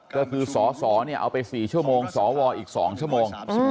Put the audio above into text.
ก็คือสสเอาไป๔ชั่วโมงสวอีก๒ชั่วโมง